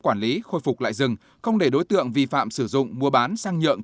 quản lý khôi phục lại rừng không để đối tượng vi phạm sử dụng mua bán sang nhượng